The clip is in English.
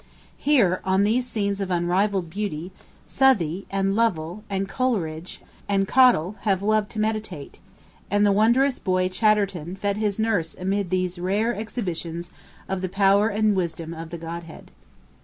Here, on these scenes of unrivalled beauty, Southey, and Lovell, and Coleridge, and Cottle have loved to meditate; and the wondrous boy Chatterton fed his muse amid these rare exhibitions of the power and wisdom of the Godhead.